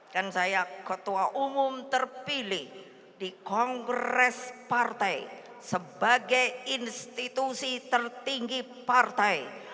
saya ketua umum terpilih di kongres partai sebagai institusi tertinggi partai